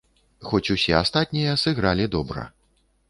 Хоць усе астатнія сыгралі добра.